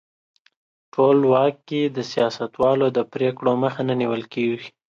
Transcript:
ټولواک کې د سیاستوالو د پرېکړو مخه نه نیول کیږي.